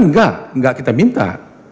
enggak enggak kita minta